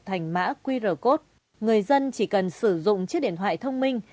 thành mã qr code người dân chỉ cần sử dụng chiếc điện thoại thông minh